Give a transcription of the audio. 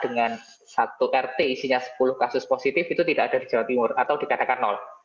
dengan satu rt isinya sepuluh kasus positif itu tidak ada di jawa timur atau dikatakan